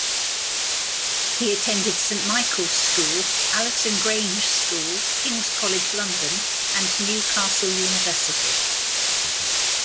He attended Saint Michael's School, Allerton Grange School, King's College, London, and Newcastle University.